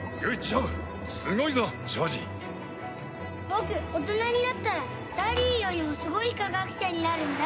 僕大人になったらダディーよりもすごい科学者になるんだ。